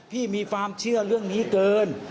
พี่มีความเชื่อเรื่องนี้เกิน